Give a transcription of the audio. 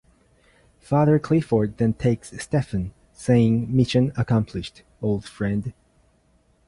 Father Clifford then takes Steffen saying, Mission accomplished, old friend.